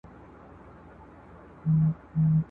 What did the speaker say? زه د خپل وجود په وینو دلته شمعي بلومه !.